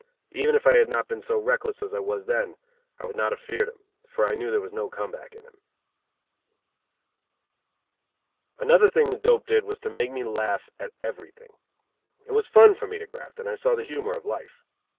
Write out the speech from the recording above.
Even if I had not been so reckless as I was then, I would not have feared him, for I knew there was no come back in him. Another thing the dope did was to make me laugh at everything. It was fun for me to graft, and I saw the humor of life.